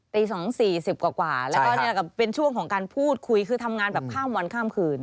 ตีสองสี่สิบกว่าแล้วก็เนี่ยก็เป็นช่วงของการพูดคุยคือทำงานแบบข้ามวันข้ามคืน